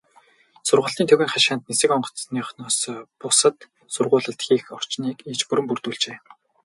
Сургалтын төвийн хашаанд нисэх онгоцныхоос бусад сургуулилалт хийх орчныг иж бүрэн бүрдүүлжээ.